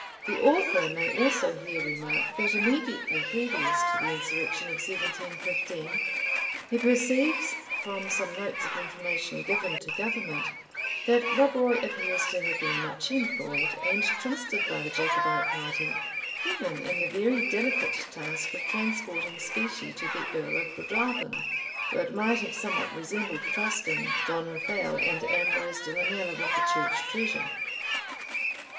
The Author may also here remark, that immediately previous to the insurrection of 1715, he perceives, from some notes of information given to Government, that Rob Roy appears to have been much employed and trusted by the Jacobite party, even in the very delicate task of transporting specie to the Earl of Breadalbane, though it might have somewhat resembled trusting Don Raphael and Ambrose de Lamela with the church treasure.